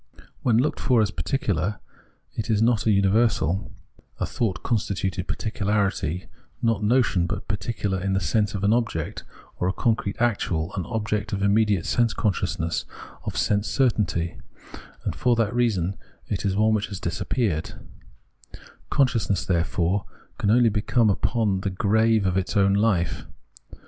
When looked for as particular it is not a universal, a thought constituted particularity, not notion, but particular in the sense of an object, or a concrete actual, an object of immediate sense consciousness, of sense certainty ; and for that reason it is one which has disappeared^ Consciousness, therefore, can only come upon the grave of its own hfe.